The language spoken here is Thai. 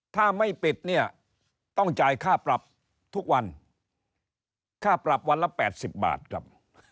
ถ้าไม่ปิดเนี่ยต้องจ่ายค่าปรับทุกวันค่าปรับวันละ๘๐บาทครับ